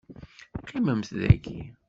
Qqimemt dagi.